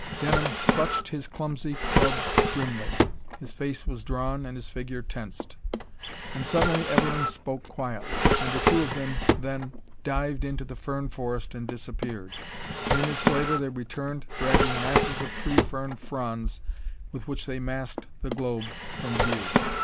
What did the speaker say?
Denham clutched his clumsy club grimly. His face was drawn and his figure tensed. And suddenly Evelyn spoke quietly, and the two of then dived into the fern forest and disappeared. Minutes later they returned, dragging masses of tree fern fronds with which they masked the globe from view.